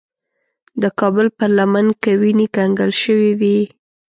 د کابل پر لمن کې وینې کنګل شوې وې.